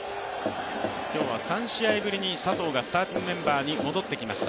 今日は３試合ぶりに佐藤がスタメンに戻ってきました。